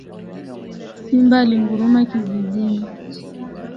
Simba alinguruma kijijini